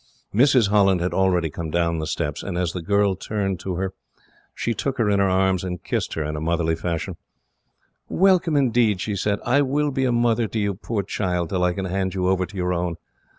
Mrs. Holland had already come down the steps, and as the girl turned towards her, she took her in her arms, and kissed her in motherly fashion. "Welcome, indeed," she said. "I will be a mother to you, poor child, till I can hand you over to your own.